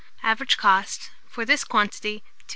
Average cost for this quantity, 2s.